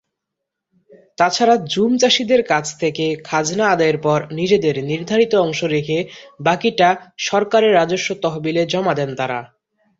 তাছাড়া জুম চাষীদের কাছ থেকে খাজনা আদায়ের পর নিজেদের নির্ধারিত অংশ রেখে বাকিটা সরকারের রাজস্ব তহবিলে জমা দেন তাঁরা।